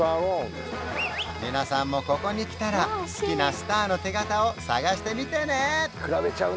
皆さんもここに来たら好きなスターの手形を探してみてね！